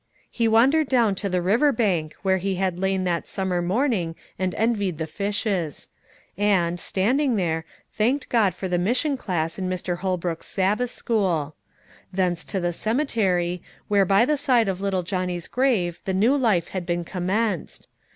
He wandered down to the river bank, where he had lain that summer morning and envied the fishes; and, standing there, thanked God for the mission class in Mr. Holbrook's Sabbath school. Thence to the cemetery, where by the side of little Johnny's grave the new life had been commenced.